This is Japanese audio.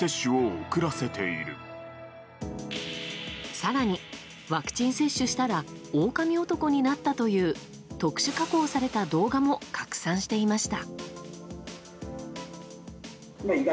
更に、ワクチン接種したらオオカミ男になったという特殊加工された動画も拡散していました。